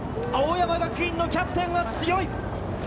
青山学院のキャプテンは強い。